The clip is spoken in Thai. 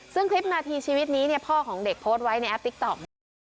ซึ่งคลิปนาทีชีวิตนี้เนี่ยพ่อของเด็กโพสไว้ในแอปติ๊กต่อม